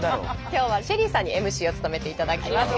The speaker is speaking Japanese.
今日はＳＨＥＬＬＹさんにＭＣを務めていただきます。